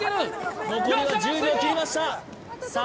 残りは１０秒を切りましたさあ